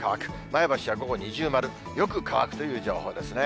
前橋は午後、二重丸、よく乾くという情報ですね。